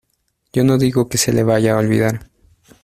yo no digo que se le vaya a olvidar.